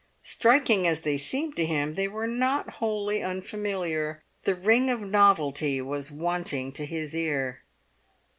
Striking as they seemed to him, they were not wholly unfamiliar. The ring of novelty was wanting to his ear.